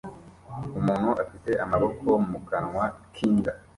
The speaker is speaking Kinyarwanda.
Umuntu afite amaboko mu kanwa k'imbwa